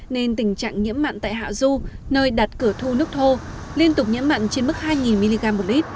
nên tình trạng nhiễm mặn tại hạ du nơi đặt cửa thu nước thô liên tục nhiễm mặn trên mức hai mg một lít